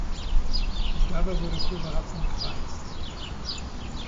Dabei wurde Kozarac umkreist.